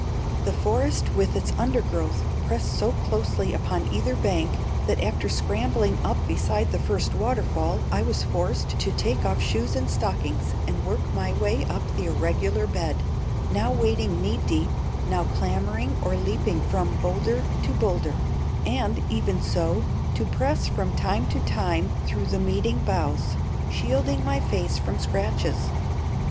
The forest with its undergrowth pressed so closely upon either bank that after scrambling up beside the first waterfall I was forced to take off shoes and stockings and work my way up the irregular bed, now wading knee deep, now clambering or leaping from boulder to boulder; and, even so, to press from time to time through the meeting boughs, shielding my face from scratches.